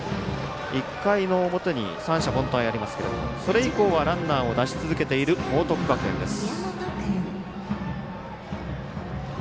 １回の表に三者凡退ありますけどそれ以降はランナーを出し続けている報徳学園です。